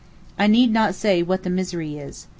I need not say what the misery is.